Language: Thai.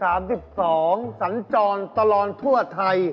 ใครรัดทีวี๓๒สัญจรตรทั่วไทย